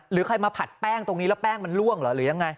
หรือใครมาผัดแป้งตรงนี้แล้วแป้งมันล่วงเหรอหรือยังไง